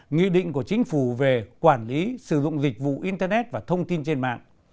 nghị định của chính phủ về quản lý sử dụng dịch vụ internet và thông tin trên mạng